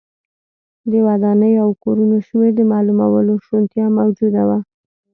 د ودانیو او کورونو شمېر د معلومولو شونتیا موجوده وه.